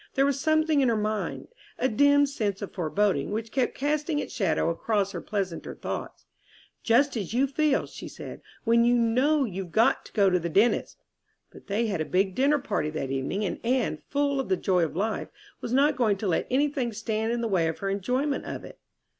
There was something in her mind, a dim sense of foreboding, which kept casting its shadow across her pleasanter thoughts; "Just as you feel," she said, "when you know you've got to go to the dentist." But they had a big dinner party that evening, and Anne, full of the joy of life, was not going to let anything stand in the way of her enjoyment of it.